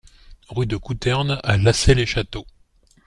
Rue de Côuterne à Lassay-les-Châteaux